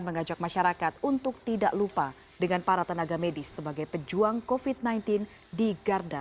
mengajak masyarakat untuk tidak lupa dengan para tenaga medis sebagai pejuang covid sembilan belas di garda